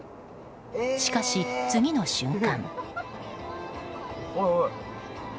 しかし、次の瞬間。